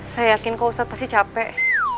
saya yakin kok ustadz pasti capek